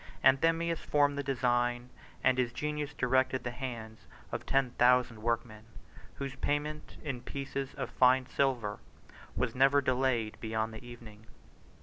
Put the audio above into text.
Anthemius formed the design, and his genius directed the hands of ten thousand workmen, whose payment in pieces of fine silver was never delayed beyond the evening.